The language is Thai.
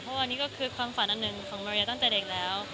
เพราะว่าคือความฝันอันหนึ่งของมารยาตั้งแต่เด็กแล้ว